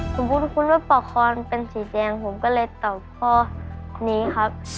สมมุติคุณว่าปอกคอนเป็นสีแดงผมก็เลยตอบข้อนี้ครับ